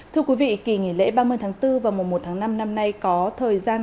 thưa quý vị kỳ nghỉ lễ ba mươi tháng bốn và mùa một tháng năm năm nay có thời gian